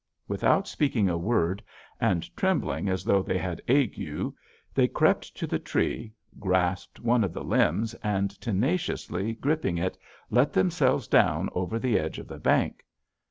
Without speaking a word, and trembling as though they had ague, they crept to the tree, grasped one of the limbs, and tenaciously gripping it let themselves down over the edge of the bank.